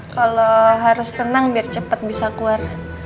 kalau harus tenang biar cepat bisa keluar